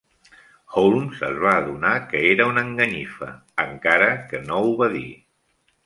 Holmes es va adonar que era una enganyifa, encara que no ho va dir.